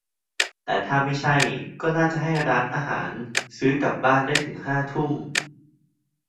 แต่ถ้าไม่ใช่ ก็น่าจะให้ร้านอาหาร ซื้อกลับบ้านได้ถึงห้าทุ่ม ?